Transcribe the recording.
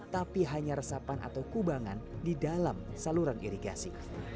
tapi hanya resapan atau kubangan di dalam saluran irigasi